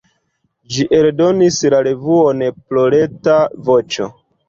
Ĝi eldonis la revuon "Proleta Voĉo".